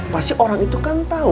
pasti orang itu kan tahu